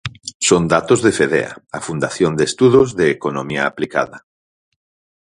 Son datos de Fedea, a Fundación de Estudos de Economía Aplicada.